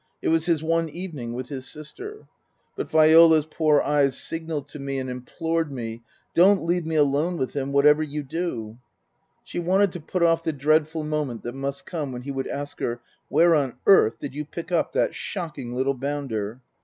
It was his one evening with his sister. But Viola's poor eyes signalled to me and implored me :" Don't leave me alone with him, whatever you do." She wanted to put off the dreadful moment that must come when he would ask her :" Where on earth did you pick up that shocking little bounder